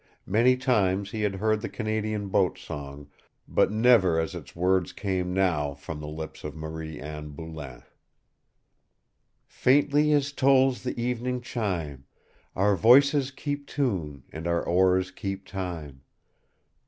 Many times he had heard the Canadian Boat Song, but never as its words came now from the lips of Marie Anne Boulain. "Faintly as tolls the evening chime, Our voices keep tune, and our oars keep time.